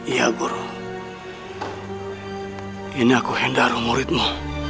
ya guru ini aku hendaro muridmu